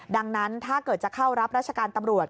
ดังนั้นถ้าเกิดจะเข้ารับราชการตำรวจ